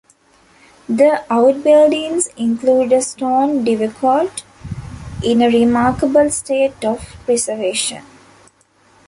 The outbuildings include a stone dovecote in a remarkable state of preservation.